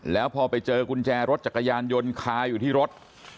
แล้วพอไปเจอกุญแจรถจักรยานยนต์คาอยู่ที่รถ